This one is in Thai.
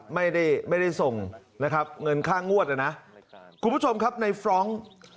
ไม่ได้ส่งนะครับเงินค่างวดคุณผู้ชมครับในฟร้อง